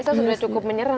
saya sudah cukup menyerah